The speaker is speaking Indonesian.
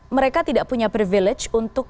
mereka tidak punya privilege untuk